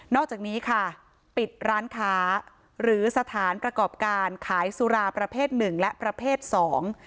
อกจากนี้ค่ะปิดร้านค้าหรือสถานประกอบการขายสุราประเภทหนึ่งและประเภทสอง